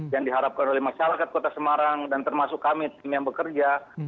yang diharapkan oleh masyarakat kota semarang dan termasuk kami tim yang bekerja